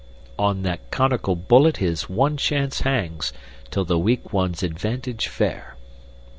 'On that conical bullet his one chance hangs, 'Tis the weak one's advantage fair.'